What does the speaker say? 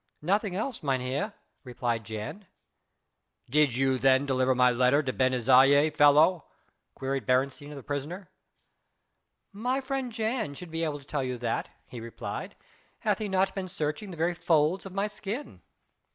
"Nothing else, mynheer," replied Jan. "Did you then deliver my letter to Ben Isaje, fellow?" queried Beresteyn of the prisoner. "My friend Jan should be able to tell you that," he replied, "hath he not been searching the very folds of my skin."